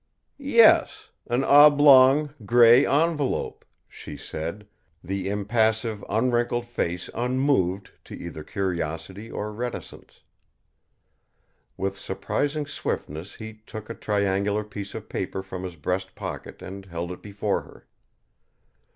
"Yes; an oblong, grey envelope," she said, the impassive, unwrinkled face unmoved to either curiosity or reticence. With surprising swiftness he took a triangular piece of paper from his breast pocket and held it before her.